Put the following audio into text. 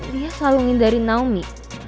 dia selalu ngindarin naomi